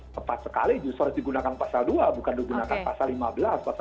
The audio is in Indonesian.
tepat sekali justru harus digunakan pasal dua bukan digunakan pasal lima belas